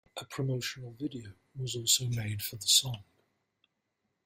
A promotional video was also made for the song.